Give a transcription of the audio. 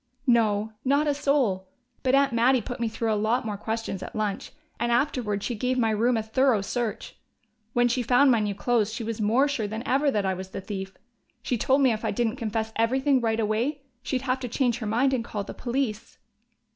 "No. Not a soul. But Aunt Mattie put me through a lot more questions at lunch, and afterward she gave my room a thorough search. When she found my new clothes, she was more sure than ever that I was the thief. She told me if I didn't confess everything right away she'd have to change her mind and call the police."